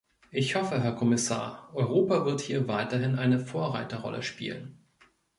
Ich hoffe, Herr Kommissar, Europa wird hier weiterhin eine Vorreiterrolle spielen.